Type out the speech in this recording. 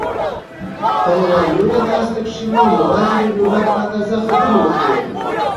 په یوه لویه ناست کښي مو یوازي د ضرورت په اندازه خبري وکړئ!